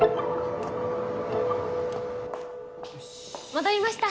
・戻りました。